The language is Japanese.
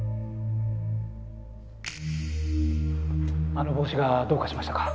あの帽子がどうかしましたか？